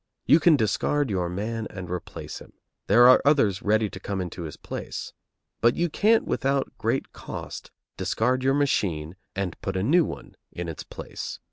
You can discard your man and replace him; there are others ready to come into his place; but you can't without great cost discard your machine and put a new one in its place.